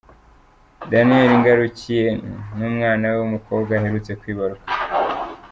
Daniel Ngarukiye n'umwana we w'umukobwa aherutse kwibaruka.